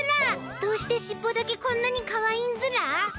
どうして尻尾だけこんなにかわいいんズラ？